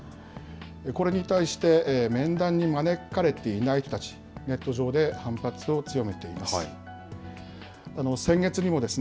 これに対して、面談に招かれていない人たち、ネット上で反発を強めています。